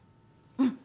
うん。